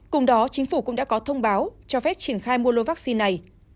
cùng đó chính phủ cũng đã có thông báo cho phép triển khai mua lô vaccine này